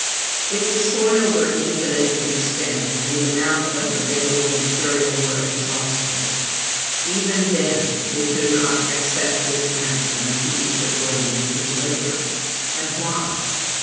If the soil were infinite in extent, and the amount of available material were exhaustless, even then we could not accept this maxim, TO EACH ACCORDING TO HIS LABOR. And why?